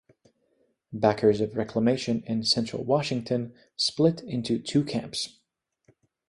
Backers of reclamation in Central Washington split into two camps.